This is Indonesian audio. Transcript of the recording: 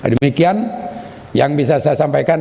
demikian yang bisa saya sampaikan